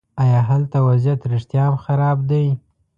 ایا هلته وضعیت رښتیا هم خراب دی.